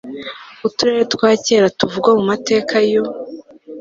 uturere twa kera tuvugwa mu mateka y u